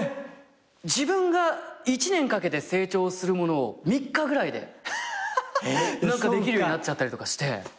自分が１年かけて成長するものを３日ぐらいでできるようになっちゃったりとかして。